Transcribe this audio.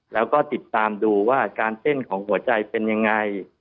แล้วก็ติดตามดูว่าการเต้นของหัวใจเป็นยังไง